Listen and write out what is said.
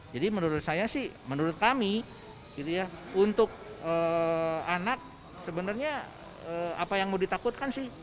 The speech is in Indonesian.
jadi menurut saya sih menurut kami untuk anak sebenarnya apa yang mau ditakutkan sih